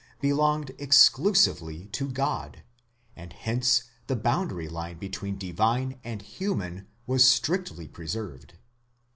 belonged exclusively to God, and hence the boundary line between divine and human was strictly preserved.